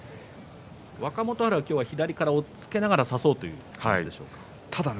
若元春は今日は左から押っつけながら差そうということでしょうか。